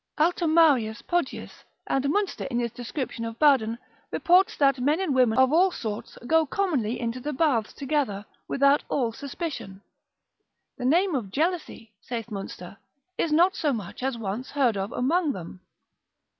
Altomarius Poggius, and Munster in his description of Baden, reports that men and women of all sorts go commonly into the baths together, without all suspicion, the name of jealousy (saith Munster) is not so much as once heard of among them.